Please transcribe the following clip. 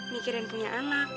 mikirin punya anak